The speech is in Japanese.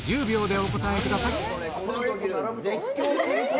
１０秒でお答えくださいえ？